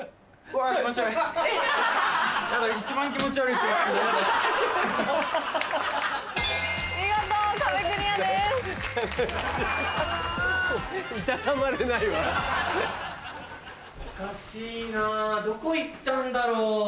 おかしいなどこ行ったんだろう。